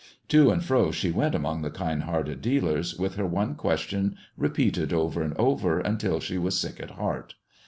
To and fro she went among the kind hearted dealers, with her one question repeated over and over until she was sick at heart.